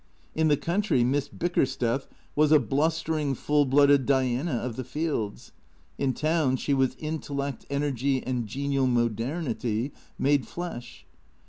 In the country Miss Bickersteth was a bluster ing, full blooded Diana of the fields. In town she was intellect, energy and genial modernity made flesh.